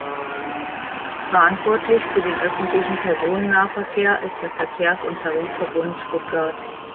Verantwortlich für den öffentlichen Personennahverkehr ist der Verkehrs- und Tarifverbund Stuttgart.